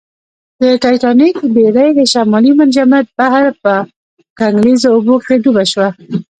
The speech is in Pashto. د ټیټانیک بېړۍ د شمالي منجمند بحر په کنګلیزو اوبو کې ډوبه شوه